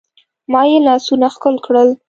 ما يې لاسونه ښکل کړل.